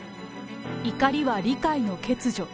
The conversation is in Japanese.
怒りは理解の欠如。